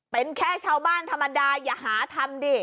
เป็นแค่ชาวบ้านธรรมดาอย่าหาทำดิ